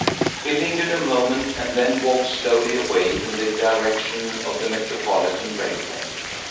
He lingered a moment and then walked slowly away in the direction of the Metropolitan Railway.